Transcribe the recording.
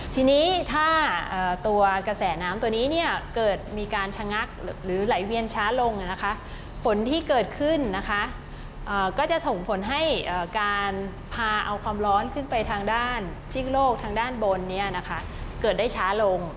ทีนี้ถ้าตัวกระแสน้ำตัวนี้เนี่ยเกิดมีการชะงักหรือไหลเวียนช้าลงนะคะฝนที่เกิดขึ้นนะคะก็จะส่งผลให้การพาเอาความร้อนขึ้นไปทางด้านซีกโลกทางด้านบนนี้นะคะเกิดได้ช้าลง